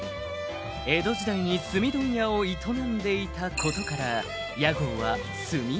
「江戸時代に炭問屋を営んでいたことから屋号は」